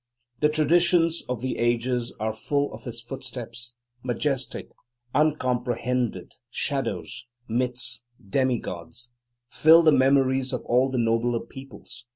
The traditions of the ages are full of his footsteps; majestic, uncomprehended shadows, myths, demi gods, fill the memories of all the nobler peoples.